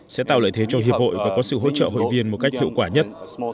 sẽ tạo lợi thế cho hiệp hội và có sự hỗ trợ hội viên một cách hiệu quả nhất